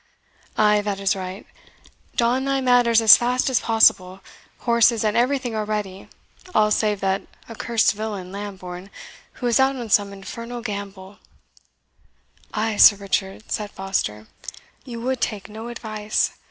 Ay, that is right don thy matters as fast as possible; horses and everything are ready, all save that accursed villain Lambourne, who is out on some infernal gambol." "Ay, Sir Richard," said Foster, "you would take no advice.